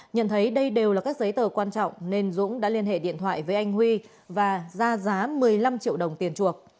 nhận thấy đây đều là các giấy tờ quan trọng nên dũng đã liên hệ điện thoại với anh huy và ra giá một mươi năm triệu đồng tiền chuộc